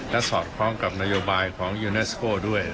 และสอดคล้องกับนโยบายของยูเนสโก้ด้วย